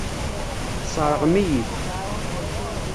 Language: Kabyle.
Tesseṛɣem-iyi-t.